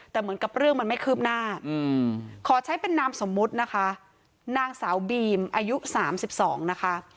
แต่เหมือนกับเรื่องมันไม่คืบหน้าขอใช้เป็นนามสมมุตินะคะนางสาวบีมอายุ๓๒นะคะ